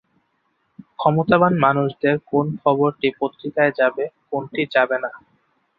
ক্ষমতাবান মানুষদের কোন খবরটি পত্রিকায় যাবে, কোনটি যাবে না।